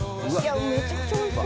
めちゃくちゃおいしそう。